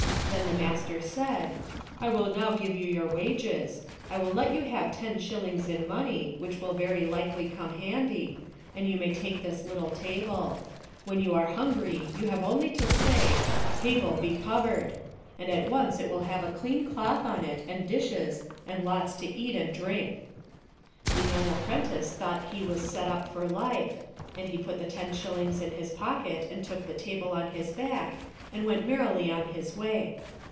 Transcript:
Then the master said, " I will now give you your wages. I will let you have ten shillings in money, which will very likely come handy, and you may take this little table. When you are hungry you have only to say, ' Table, be covered,' and at once it will have a 294 THE DONKEY, THE TABLE, AND THE STICK clean cloth on it and dishes and lots to eat and drink." The young apprentice thought he was set up for life, and he put the ten shillings in his pocket and took the table on his back and went merrily on his way.